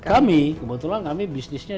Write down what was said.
kami kebetulan kami bisnisnya